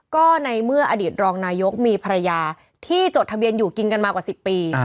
ก็ในเมื่ออดีตรองนายกมีภรรยาที่จดทะเบียนอยู่กินกันมากว่า๑๐ปี